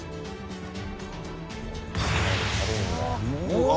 うわ！